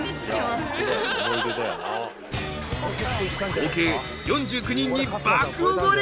［合計４９人に爆おごり。